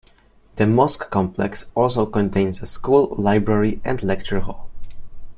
The mosque complex also contains a school, library, and lecture hall.